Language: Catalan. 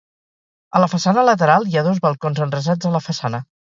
A la façana lateral hi ha dos balcons enrasats a la façana.